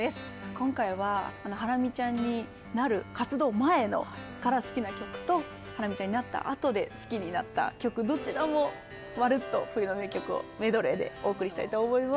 今回はハラミちゃんになる活動前から好きな曲とハラミちゃんになったあとで好きになった曲どちらもまるっと冬の名曲をメドレーでお送りしたいと思います。